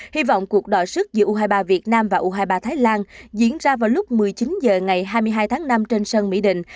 hy vọng cuộc đò sức giữa u hai mươi ba việt nam và u hai mươi ba thái lan diễn ra vào lúc một mươi chín h ngày hai mươi hai tháng năm trên sân mỹ định